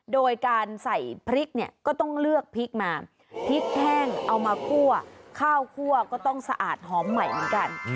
โดยการใส่พริกเนี่ยก็ต้องเลือกพริกมาพริกแห้งเอามาคั่วข้าวคั่วก็ต้องสะอาดหอมใหม่เหมือนกัน